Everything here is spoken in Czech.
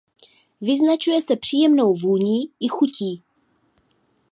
Vyznačuje se příjemnou vůní i chutí.